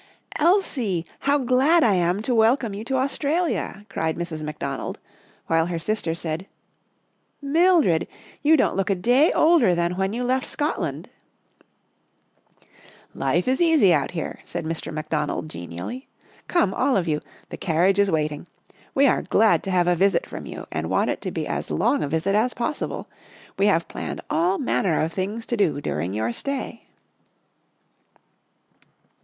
" Elsie ! How glad I am to welcome you to Australia," cried Mrs. McDonald, while her sister said, Sailing to Sydney 17 11 Mildred, you don't look a day older than when you left Scotland !"" Life is easy out here," said Mr. McDonald genially. " Come, all of you. The carriage is waiting. We are glad to have a visit from you and want it to be as long a visit as possible. We have planned all manner of things to do during your stay."